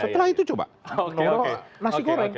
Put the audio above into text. setelah itu coba nasi goreng